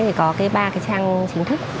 thế thì có ba trang chính thức